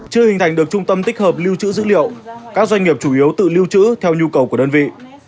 chưa hình thành được trung tâm tích hợp lưu trữ dữ liệu các doanh nghiệp chủ yếu tự lưu trữ theo nhu cầu của đơn vị